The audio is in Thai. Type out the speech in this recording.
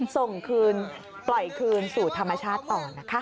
ส่งคืนปล่อยคืนสู่ธรรมชาติต่อนะคะ